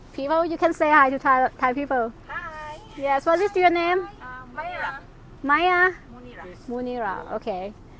สวัสดีค่ะ